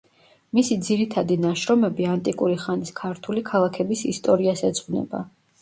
მისი ძირითადი ნაშრომები ანტიკური ხანის ქართული ქალაქების ისტორიას ეძღვნება.